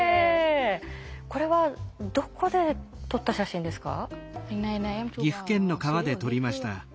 これはどこで撮った写真ですか？